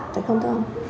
đấy không thưa ông